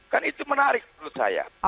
kan itu menarik menurut saya